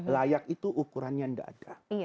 layak itu ukurannya tidak ada